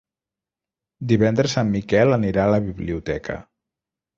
Divendres en Miquel anirà a la biblioteca.